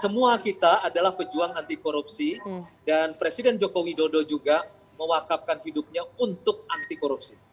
semua kita adalah pejuang anti korupsi dan presiden joko widodo juga mewakapkan hidupnya untuk anti korupsi